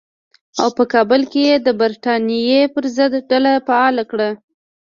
او په کابل کې یې د برټانیې پر ضد ډله فعاله کړه.